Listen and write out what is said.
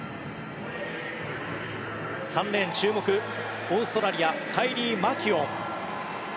３レーン、注目、オーストラリアカイリー・マキュオン。